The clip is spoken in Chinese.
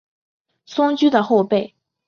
松驹的后辈。